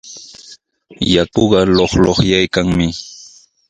Yakuqa luqluqyaykannami.